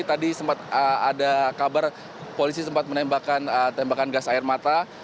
tadi sempat ada kabar polisi sempat menembakkan tembakan gas air mata